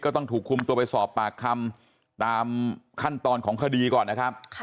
ต้องถูกคุมตัวไปสอบปากคำตามขั้นตอนของคดีก่อนนะครับ